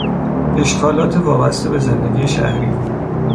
اشکالات وابسته به زندگی شهری